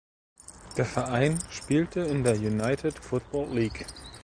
Der Verein spielte in der United Football League.